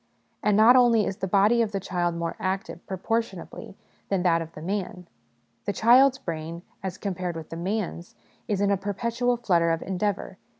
And not only is the body of the child more active, proportion ably, than that of the man : the child's brain as compared with the man's is in a perpetual flutter of endeavour.